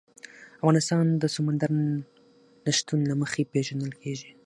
افغانستان د سمندر نه شتون له مخې پېژندل کېږي.